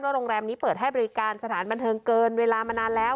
โรงแรมนี้เปิดให้บริการสถานบันเทิงเกินเวลามานานแล้ว